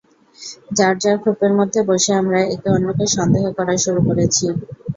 যার যার খোপের মধ্যে বসে আমরা একে অন্যকে সন্দেহ করা শুরু করেছি।